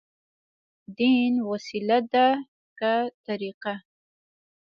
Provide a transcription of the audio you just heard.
دين وسيله ده، که طريقه؟